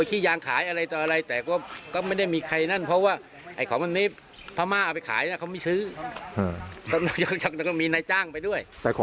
ถูกเหมารวมเลยใช่ไหม